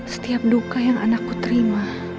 setiap duka yang anakku terima